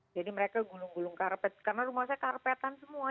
jadi mereka gulung gulung karpet karena rumah saya karpetan semua